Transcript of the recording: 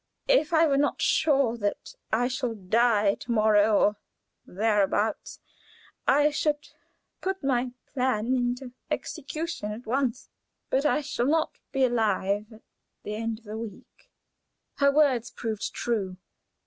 "If I were not sure that I shall die to morrow or thereabouts, I should put my plan into execution at once, but I shall not be alive at the end of the week." Her words proved true.